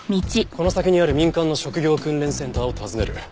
この先にある民間の職業訓練センターを訪ねる。